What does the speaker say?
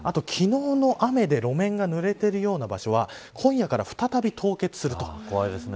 昨日の雨で路面が濡れているような場所は今夜から再び凍結すると。